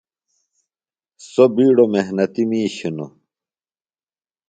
سوۡ بِیڈوۡ محنتیۡ میِش ہِنوۡ۔